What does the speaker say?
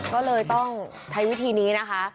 ก็เลยต้องใช้วิธีนี้นะคะ